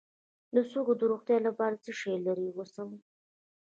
د سږو د روغتیا لپاره له څه شي لرې اوسم؟